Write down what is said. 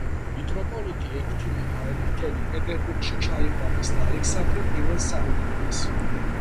მიტროპოლიტი ექვთიმე გაენათელი პეტერბურგში ჩაიყვანეს და ალექსანდრე I-ს წარუდგინეს.